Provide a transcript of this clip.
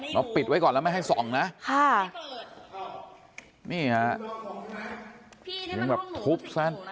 น้องปิดไว้ก่อนแล้วไม่ให้ส่องนะค่ะไม่เปิดนี่ค่ะนี่แบบทุบสั้น